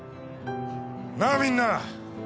なあみんな。